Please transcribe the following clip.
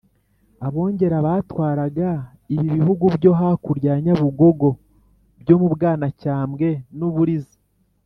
abongera batwaraga ibi bihugu byo hakurya ya nyabugogo, byo mu bwanacyambwe n’uburiza.